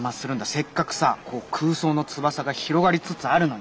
せっかくさこう空想の翼が広がりつつあるのに。